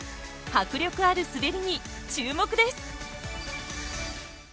迫力ある滑りに注目です。